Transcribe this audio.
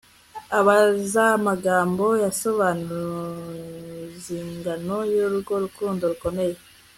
Abuzamagambo yasobanuzingano yurwo rukundo rukomeye